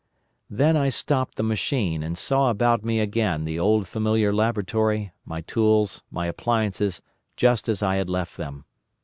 "Then I stopped the machine, and saw about me again the old familiar laboratory, my tools, my appliances just as I had left them.